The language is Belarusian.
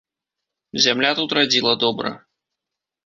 Зямля тут радзіла добра.